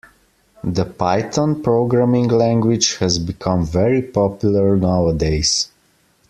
The python programming language has become very popular nowadays